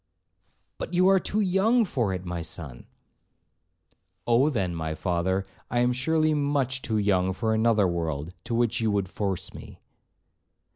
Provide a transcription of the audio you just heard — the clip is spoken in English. '—'But you are too young for it, my son.' 'Oh, then, my father, I am surely much too young for another world, to which you would force me.'